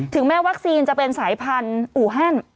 แม้วัคซีนจะเป็นสายพันธุ์อูฮัน